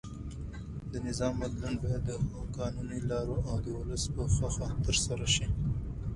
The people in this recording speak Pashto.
د نظام بدلون باید د قانوني لارو او د ولس په خوښه ترسره شي.